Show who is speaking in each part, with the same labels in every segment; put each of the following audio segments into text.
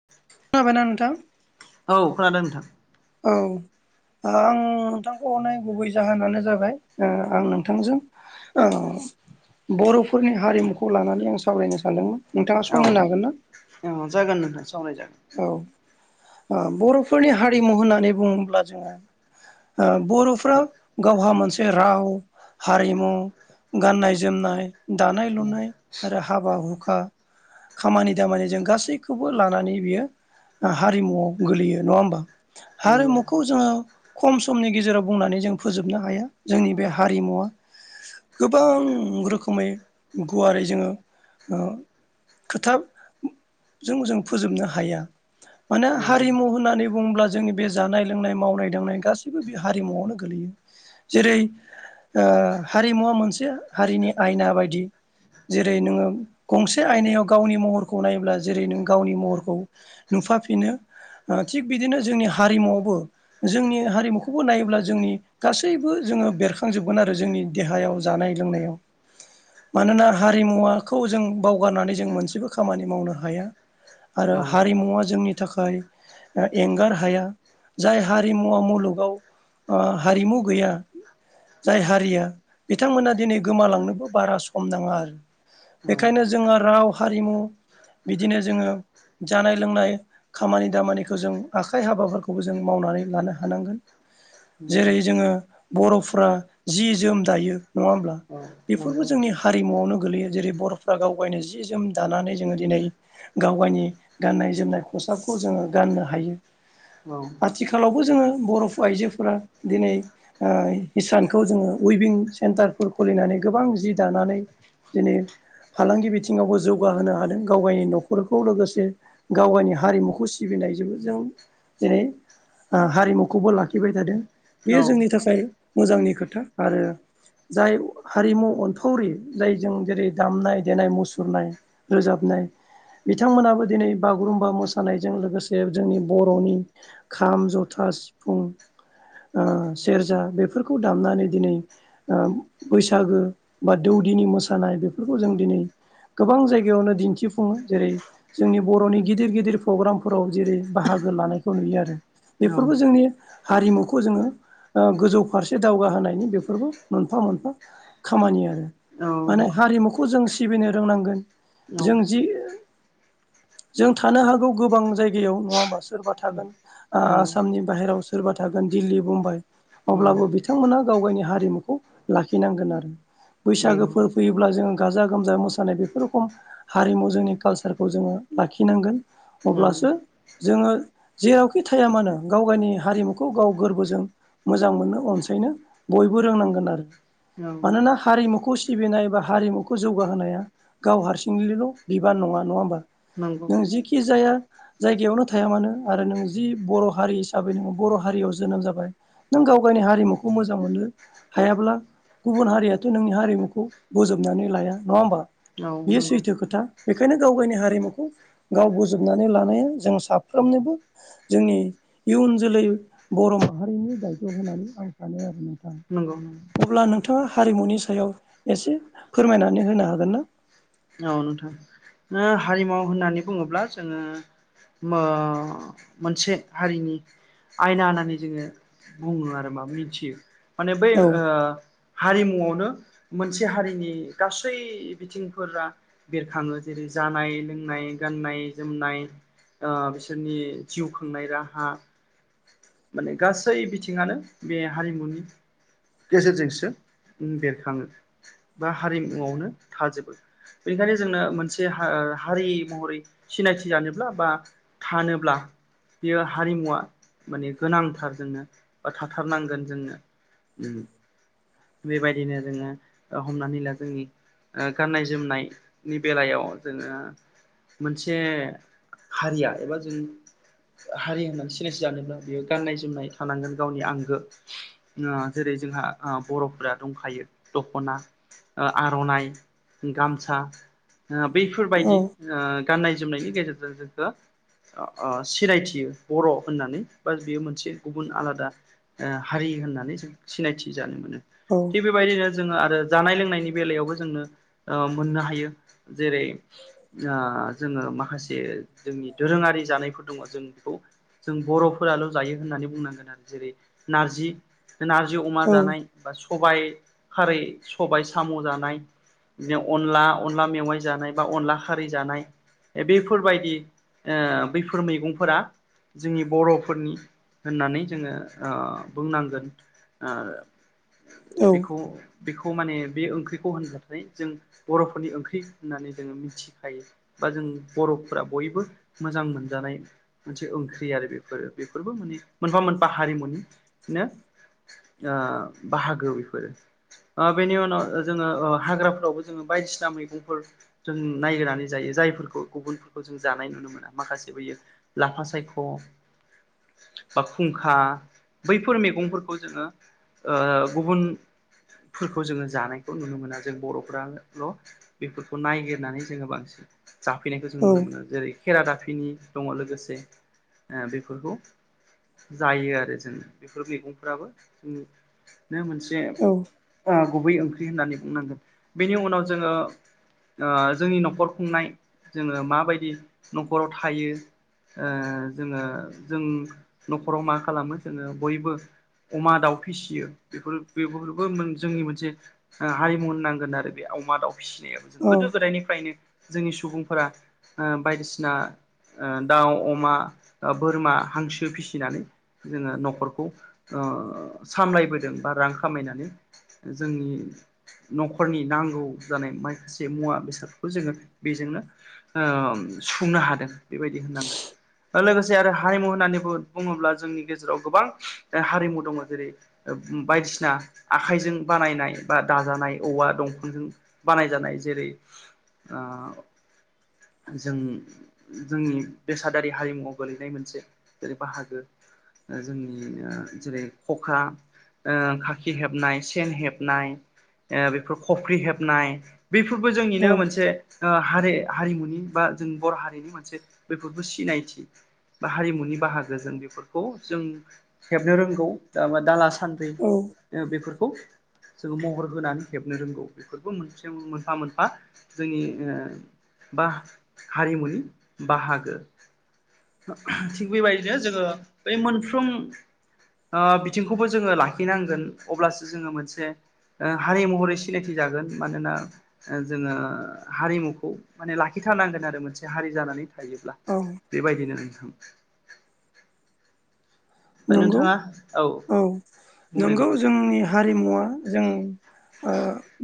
Speaker 1: [unintelligible]
Speaker 2: औ खोनादों नोंथां।
Speaker 1: औ। आं नोंथांखौ हनाय गुबै जाहोनानो जाबाय आं नोंथांजों बर'फोरनि हारिमुखौ लानानै आं सावरायनो सानदोंमोन। नोंथाङा
Speaker 2: औ
Speaker 1: सम होनो हागोन ना?
Speaker 2: औ जागोन नोंना सावराय जागोन।
Speaker 1: औ बर'फोरनि हारिमु होननानै बुङोब्ला जोङो। बर'फ्रा गावहा मोनसे राव हारिमु गाननाय जोमनाय दानाय लुनाय आरो हाबा हुखा खामानि दामानि जों गासैखौबो लानानै बियो हारिमुआव गोलैयो नङा होमबा?
Speaker 2: नंगौ
Speaker 1: हारिमुखौ जोङो खम समनि गेजेराव बुंनानै जों फोजोबनो हाया, जोंनि बे हारिमुवा गोबां रोखोमै गुवारै जोङो ओ खोथा जों जों फोजोबनो हाया। मानो
Speaker 2: औ
Speaker 1: हारिमु होननानै बुङोब्ला जोंनि बे जानाय लोंनाय मावनाय दांनाय गासैबो बे हारिमुआवनो गोलैयो। जेरै हारिमुवा मोनसे हारिनि आयना बायदि जेरै नोंङो गंसे आयनायाव गावनि महरखौ नायोब्ला जेरै नों गावनि महरखौ नुफाफिनो थिग बिदिनो जोंनि हारिमुआवबो जोंनि हारिमुखौबो नायोब्ला जोंनि गासैबो जोंङो बेरखांजोबगोन आरो जोंनि देहायाव जानाय लोंनायाव मानोना हारिमुवाखौ जों बावगारनानै जों मोनसेबो खामानि मावनो हाया।
Speaker 2: औ
Speaker 1: आरो हारिमुवा जोंनि थाखाय एंगार हाया जाय हारिमुवा मुलुगाव ओ हारिमु गैया जाय हारिया बिथांमोना दिनै गोमालांनोबो बारा सम नाङा आरो। बेखायनो
Speaker 2: नंगौ
Speaker 1: जोंङो राव हारिमु बिदिनो जोंङो जानाय लोंनाय खामानि दामानिखौ जों आखाइ हाबाफोरखौबो जों मावनानै लानो हानांगोन। जेरै जोंङो बर'फ्रा जि जोम दायो नङा होमब्ला
Speaker 2: औ नंगौ
Speaker 1: बेफोरबो
Speaker 2: औ
Speaker 1: जोंनि हा रिमुआवनो गोगलैयो जेरै बर'फ्रा गाव गायनो जि जोम दानानै जोंङो दिनै गाव गायनि गाननाय जोमनाय खसाबखौ जोंङो गाननो हायो।
Speaker 2: औ
Speaker 1: आथिखालावबो जोंङो बर' आइजोफोरा दिनै ओ हिसानखौ जोंङो उइभिं सेन्टारफोर खुलिनानै गोबां जि दानानै दिनै फालांगि बिथिङावबो जौगाहोनो हादों गाव गायनि न'खरखौ लोगोसे गाव गायनि हारिमुखौ सिबिनायजोंबो जों जेरै हारिमुखौबो लाखिबाय थादों बेयो
Speaker 2: औ औ
Speaker 1: जोंनि थाखाय मोजांनि खोथा आरो जाय हारिमु अनफावरि जायजों जेरै दामनाय देनाय मुसुरनाय रोजाबनाय बिथांमोनाबो दिनै बागुरुमबा मोसानायजों लोगोसे जोंनि बर'नि खाम जथा सिफुं ओ सेरजा बेफोरखौ दामनानै दिनै ओ बैसागो बा दौदिनि मोसानाय बेफोरखौ जों दिनै गोबां जायगायावनो दिन्थिफुङो जेरै जोंनि बर'नि गिदिर गिदिर प्रग्रामफोराव जेरै बाहागो लानायखौ नुयो आरो
Speaker 2: नंगौ औ नंगौ औ नंगौ
Speaker 1: बेफोरबो जोंनि हारिमुखौ जोंङो गोजौ फारसे दावगाहोनायनि बेफोरबो मोनफा मोनफा खामानि आरो
Speaker 2: औ
Speaker 1: माने हारिमुखौ जों सिबिनो रोंनांगोन जों जि जों थानो हागौ गोबां जायगायाव नङा होमबा सोरबा थागोन आसामनि बाहेरायाव सोरबा थागोन दिल्ली बमबाय अब्लाबो बिथांमोना गाव गावनि हारिमुखौ लाखिनांगोन आरो। बैसागोफोर फैयोब्ला जोंङो गाजा गोमजा मोसानाय बेफोर रोखोम हारिमु जोंनि कालसारखौ जोंङो लाखिनांगोन अब्लासो जोंङो जेरावखि थाया मानो गाव गावनि हारिमुखौ गाव गोरबोजों मोजां मोननो अनसायनो बयबो रोंनांगोन आरो। मानोना हारिमुखौ सिबिनाय बा हारिमुखौ जौगाहोनाया गाव हारसिंनिल' बिबान नङा नङा होमबा नों जिखि जाया जायगायावनो थाया मानो आरो नों जि बर' हारि हिसाबै नोङो बर' हारियाव जोनोम जाबाय नों गाव गायनि हारिमुखौ मोजां मोनो हायाब्ला गुबुन हारियाथ' नोंनि हारिमुखौ बोजोबनानै लाया नङा होमबा बियो
Speaker 2: नंगौ
Speaker 1: सैथो खोथा बेखायनो गाव गायनि हारिमुखौ गाव बोजोबनानै लानाया जों साफ्रोमनोबो जोंनि इयुन जोलै बर' माहारिनि दायथ' होनानै आं सानो आरो नोंथां
Speaker 2: नंगौ
Speaker 1: अब्ला नों थाङा हारिमुनि सायाव एसे फोरमायनानै होनो हागोन ना।
Speaker 2: औ नोंथां ओ हारिमु होननानै बुङोब्ला जोंङो मो मोनसे हारिनि आयना होननानै जोङो बुङो आरो बा मिथियो माने बै
Speaker 1: औ
Speaker 2: ओ हारिमुआवनो मोनसे हारिनि गासै बिथिंफोरा बेरखाङो जेरै जानाय लोंनाय गाननाय जोमनाय ओ बिसोरनि जिउ खांनाय राहा माने गासै बिथिङानो बे हारिमुनि गेजेरजोंसो बेरखाङो बा हारिमुआवनो थाजोबो बेनिखायनो जोंनो मोनसे हारि महरै सिनायथि जानोब्ला बा थानोब्ला बियो हारिमुवा माने गोनांथार जोंनो बा थाथारनांगोन जोंनो ओम बेबायदिनो जोङो ओ हमनानै ला जोंनि ओ गाननाय जोमनाय नि बेलायाव जोङो मोनसे हारिया एबा जों हारि होननानै सिनायथि जानोब्ला बियो गाननाय जोमनाय थानांगोन गावनि आंगो जेरै जोंहा बर'फोरा दंखायो दख'ना ओ आर'नाइ गामसा ओ
Speaker 1: औ
Speaker 2: बैफोरबायदि ओ गाननाय जोमनायनि गेजेरजों [unintelligible] अ अ सिनायथियो बर' होननानै बा बेयो मोनसे गुबुन आलादा ओ हारि होननानै जों सिनायथि जानो मोनो
Speaker 1: औ
Speaker 2: थिग बेबायदिनो जोङो आरो जानाय लोंनायनि बेलायावबो जोंनो ओ मोननो हायो जेरै ओ जोङो माखासे जोंनि दोरोङारि जानायफोर दङ जों बेखौ जों बर'फोराल' जायो होननानै बुंनांगोन आरो जेरै नारजि नारजि अमा
Speaker 1: औ
Speaker 2: जानाय बा सबायाइ खारै सबाइ साम' जानाय बिदिनो अनला अनला मेवाइ जानाय बा अनला खारै जानाय बेफोरबायदि ए बैफोर मैगंफोरा जोंनि बर'फोरनि होननानै जोङो ओ बुंनांगोन ओ
Speaker 1: औ
Speaker 2: बिखौ बिखौ माने बे ओंख्रिखौ होनोथाय जों बर' फोरनि ओंख्रि होननानै जोङो मिथिखायो बा जों बर'फोरा बयबो मोजां मोनजानाय मोनसे ओंख्रि आरो बेफोरो बेफोरबो माने मोनफा मोनफा हारिमुनिनो ओ बाहागो बेफोरो ओ बेनि उनाव जोङो ओ हाग्राफोरावबो जोङो बायदिसिना मैगंफोर जों नायगिरनानै जायो जायफोरखौ गुबुनफोरखौ जों जानाय नुनो मोन माखासे बैयो लाफा सायख' बा खुंखा बैफोर मैगंफोरखौ जोङो ओ गुबुनफोरखौ जोङो जानायखौ नुनो मोना जों बर'फोराल' बेफोरखौ नायगिरनानै जोङो बांसिन जाफैनायखौ जों नुनो
Speaker 1: औ
Speaker 2: मोनो जेरै खेरादाफिनि दङ लोगोसे बेेफोरखौ जायो आरो जों बेफोर मैगंफोराबो [unintelligible] नो मोनसे
Speaker 1: औ
Speaker 2: ओ गुबै ओंख्रि होननानै बुंनांगोन बेनि उनाव जोङो ओ जोंनि न'खर खुंनाय जोङो माबायदि न'खराव थायो ओ जोङो जों न'खराव मा खालामो जोङो बयबो अमा दाउ फिसियो बेफोर बेफोरबो जोंनि मोनसे हारिमु होननांगोन आरो बे अमा दाउ फिसिनायाबो जों गोदो
Speaker 1: औ
Speaker 2: गोदायनिफ्रायनो जोंनि सुबुंफोरा ओ बायदिसिना ओ दाउ अमा ओ बोरमा हांसो फिसिनानै जोङो नखरखौ ओ सामलायबोदों बा रां खामायनानै जोंनि न'खरनि नांगौ जानाय माखासे मुवा बेसादफोरखौ जोङो बेजोंनो ओ सुफुंनो हादों बेबायदि होननांगोन। ओ लोगोसे आरो हारिमु होननानै बुङोब्ला जोंनि गेजेराव गोबां ओ हारिमु दङ जेरै बायदिसिना आखाइजों बानायनाय बा दाजानाय औवा दंफांजों बानायजानाय जेरै ओ जों जोंनि बेसादारि हारिमुवाव गोलैनाय मोनसे जेरै बाहागो ओ जोंनि ओ जेरै खखा ओ खाखि हेबनाय सेन हेबनाय ओ बेफोर खफ्रि हेबनाय बेफोरबो
Speaker 1: औ
Speaker 2: जोंनिनो मोनसे ओ हारि हारिमु। बा जोंनि बर' हारिनि मोनसे बैफोरबो सिनायथि। बा हारिमुनि बाहागो जों बेफोरखौ जों हेबनो रोंगौ दा दाला सान बै
Speaker 1: औ
Speaker 2: ओ बेफोरखौ जोङो महर होनानै हेबनो रोंगौ बेफोरबो मोनसे मोनफा मोनफा जोंनि ओ बा हारिमुनि बाहागो। थिग बेबायदिनो जोङो बै मोनफ्रोम बिथिंखौबो जोङो लाखिनांगोन अब्लासो जोङो मोनसे हारि महरै सिनायथि जागोन मानोना ओ जोङो हारिमुखौ माने लाखिथारनांगोन आरो मोनसे हारि जानानै थायोब्ला।
Speaker 1: औ
Speaker 2: बेबायदिनो नोंथां ओमफ्राय
Speaker 1: नंगौ
Speaker 2: नोंथाङा औ
Speaker 1: औ
Speaker 2: बुंदो
Speaker 1: नंगौ
Speaker 2: नोंथां
Speaker 1: जोंनि हारिमुवा जों ओ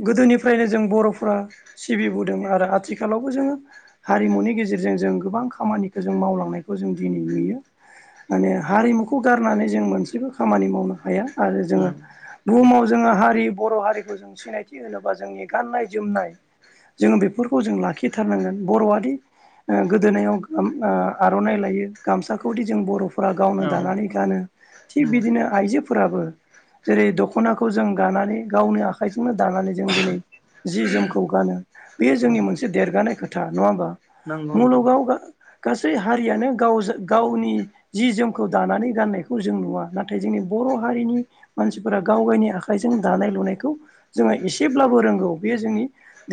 Speaker 1: गोदोनिफ्रायनो जों बर'फ्रा सिबिबोदों आरो आथिखालावबो जोङो हारिमुनि गेजेरजों जों गोबां खामानिखौ जों मावलांनायखौ जों दिनै नुयो। माने हारिमुखौ गारनानै जों मोनसेबो खामानि मावनो हाया आरो जोङो बुहुमाव जोङो हारि बर' हारिखौ जों सिनायथि होनोबा जोंनि गाननाय जोमनाय जोङो बेफोरखौ जों लाखिथारनांगोन बर'आदि ओ गोदोनायाव आर'नाइ लायो गामसाखौदि जों बर' गावनो
Speaker 2: औ
Speaker 1: दानानै गानो थिग
Speaker 2: नंगौ
Speaker 1: बिदिनो आइजो फोराबो जेरै दख'नाखौ जों दानानै गावनि आ खाइजोंनो दानानै जों दिनै जि जोमखौ गानो बेयो
Speaker 2: औ
Speaker 1: जोंनि मोनसे से देरगानाय खोथा नङा होमबा
Speaker 2: नंगौ नोंथां
Speaker 1: मुलुगाव गासै हारियानो गाव गावनि जि जोमखौ दानानै गाननायखौ जों नुवा नाथाय जोंनि बर' हारिनि मानसिफोरा गाव गावनि आखाइजों दानाय लुनायखौ जोङो एसेब्लाबो रोंगौ बे जोंनि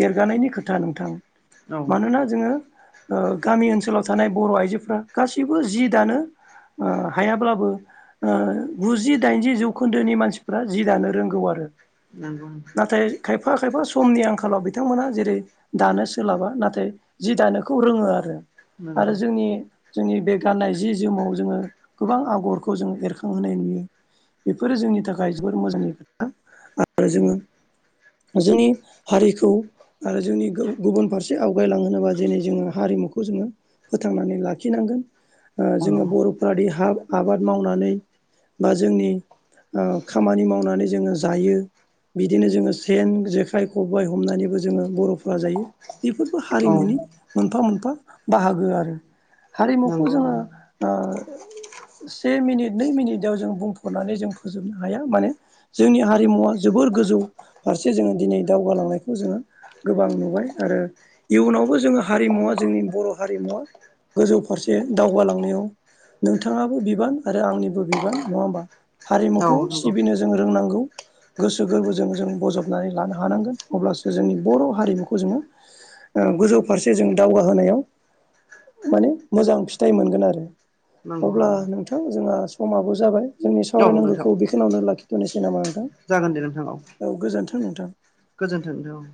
Speaker 1: देरगानायनि खोथा नोंथां
Speaker 2: औ
Speaker 1: मानोना जोङो गामि ओनसोलाव थानाय बर' आइजोफ्रा गाससिबो जि दानो हायाब्ला बो ओ गुजि दाइनजि जौखोन्दोनि मानसिफ्रा जि दानो रोंगौ आरो
Speaker 2: नंगौ
Speaker 1: नाथाय खायफा खायफा समनि आंखालाव बिथांमोनहा जेरै दानो सोलाबा नाथाय जि दानोखौ रोङो आरो आरो
Speaker 2: नंगौ
Speaker 1: जोंनि जोंनि बे गाननाय जि जोमाव जोङो गोबां आ गरखौ जों एरखांहोनाय नुयो बेफोरो जोंनि थाखाय जोबोर मोजांनि खोथा आरो जोङो जोंनि हारिखौ आरो जोंनि गुबुन फारसे आवगायलांहोनोबा दिनै जोङो हारिमुखौ जोङो। फोथांनानै लाखिनांगोन
Speaker 2: औ
Speaker 1: जोङो बर'फोरादि हा आबाद मावनानै बा जोंनि खामानि मावनानै जोङो जायो। बिदिनो जोङो सेन जेखाइ खबाय हमनानैबो जोङो बर'फोरा जायो। बेफोरबो
Speaker 2: औ
Speaker 1: हारिमुनि मोनफा मोनफा बाहागो आरो हारिमुखौ
Speaker 2: नंगौ नंगौ
Speaker 1: जोङो। ओ से मिनिट नै मिनिटआव जों बुंफोरनानै जों फोजोबनो हाया माने। जोंनि हारिमुवा जोबोर गोजौ फारसे जोङो दिनै दावगालांनायखौ जोङो गोबां नुबाय आरो इयुनावबो जोङो हारिमुवा जोंनि बर' हारिमुवा गोजौ फारसे दावगालांनायाव बिथाङाबो बिबान आरो आंनिबो बिबान नङा होमबा
Speaker 2: औ
Speaker 1: हारिमुखौ
Speaker 2: नंगौ
Speaker 1: सिबिनो जों रोंनांगौ। गोसो गोरबोजों जों बजबनानै लानो हानांगोन अब्लासो जोंनि बर' हारिमुखौ जोङो ओ गोजौ फारसे जों दावगाहोनायाव माने मोजां फिथाइ मोनगोन आरो
Speaker 2: नंगौ
Speaker 1: अब्ला
Speaker 2: नंगौ
Speaker 1: नोंथां जोंहा समाबो जाबाय जोंनि
Speaker 2: औ नोंथां
Speaker 1: सावरायनांगौखौ बेखिनियावनो लाखिथ'नोसै नामा नोंथां?
Speaker 2: जागोन दे नोंथां औ
Speaker 1: गोजोन्थों नोंथां।
Speaker 2: गोजोन्थों नोंथां औ